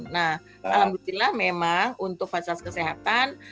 nah alhamdulillah memang untuk fasilitas kesehatan